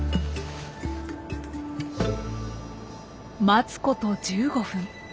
待つこと１５分。